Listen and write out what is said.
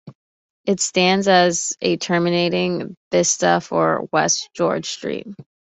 It stands as a terminating vista for West George Street.